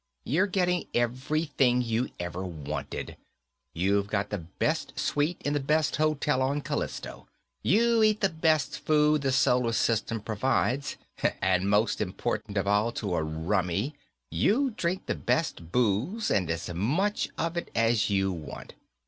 You're getting everything you ever wanted. You've got the best suite in the best hotel on Callisto. You eat the best food the Solar System provides. And, most important of all to a rummy, you drink the best booze and as much of it as you want.